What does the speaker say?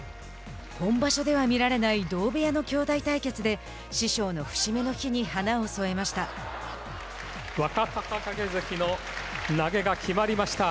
本場所では見られない同部屋の兄弟対決で師匠の節目の日に華を添えました。